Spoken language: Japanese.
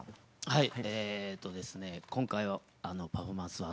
はい。